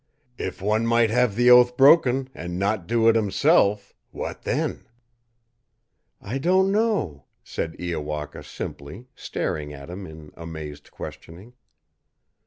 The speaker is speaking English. "If one might have the oath broken, and not do it himself, what then?" "I don't know," said Iowaka simply, staring at him in amazed questioning.